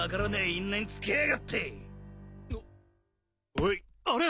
おいあれ！